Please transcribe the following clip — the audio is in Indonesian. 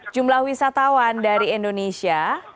jumlah wisatawan dari indonesia